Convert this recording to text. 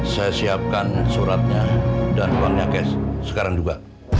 saya siapkan suratnya dan uangnya cash sekarang juga